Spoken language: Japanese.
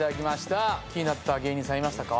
気になった芸人さんいましたか？